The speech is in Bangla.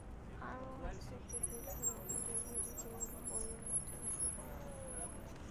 আরও আছে টিভি, ফিল্ম, ডিভিডি যেগুলো বইয়ের মতো ইস্যু করা হয়।